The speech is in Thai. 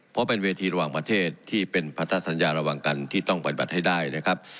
เพราะเป็นเวทีระหว่างประเทศที่เป็นพัฒนาสัญญาระหว่างกันที่ต้องปฏิบัติให้ได้นะครับ